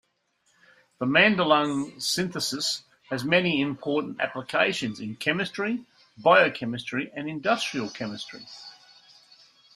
The Madelung synthesis has many important applications in chemistry, biochemistry, and industrial chemistry.